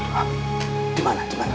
mbak dimana dimana